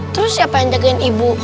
terus siapa yang jagain ibu